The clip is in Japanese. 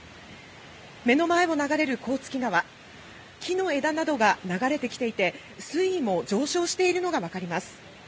目の前を流れる甲突川木の枝などが流れてきていて水位も上昇しているのが分かります。